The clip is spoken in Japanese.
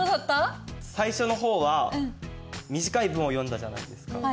最初の方は短い文を読んだじゃないですか。